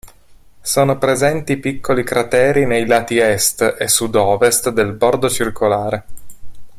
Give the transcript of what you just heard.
Sono presenti piccoli crateri nei lati est e sudovest del bordo circolare.